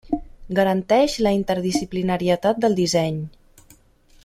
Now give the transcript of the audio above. Garanteix la interdisciplinarietat del disseny.